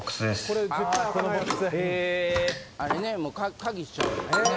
あれね鍵しちゃうんよね。